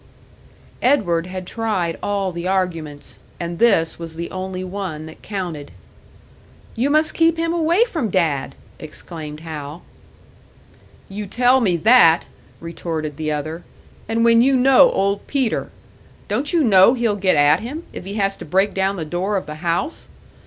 Edward had tried all the arguments, and this was the only one that counted. "You must keep him away from Dad!" exclaimed Hal. "You tell me that!" retorted the other. "And when you know Old Peter! Don't you know he'll get at him, if he has to break down the door of the house?